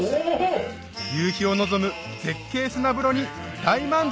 夕日を望む絶景砂風呂に大満足！